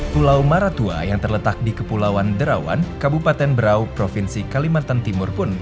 pulau maratua yang terletak di kepulauan derawan kabupaten berau provinsi kalimantan timur pun